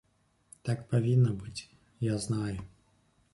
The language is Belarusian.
Так павінна быць, я знаю.